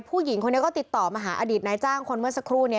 ผู้หญิงคนนี้ก็ติดต่อมาหาอดีตนายจ้างคนเมื่อสักครู่